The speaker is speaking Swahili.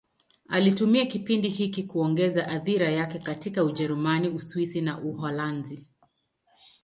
Alitumia kipindi hiki kuongeza athira yake katika Ujerumani, Uswisi na Uholanzi.